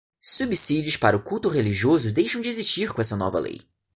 Subsídios para o culto religioso deixam de existir com esta nova lei.